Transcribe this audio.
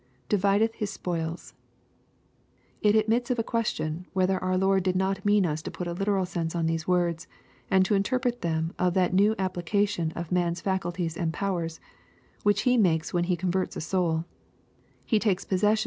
[Divideth his spoils.] It admits of a question whether our Lord did not mean us to put a literal sense on these words, and to in terpret them of that new application of man's faculties and powers which He makes when Hef converts a soul He takes posses sioj.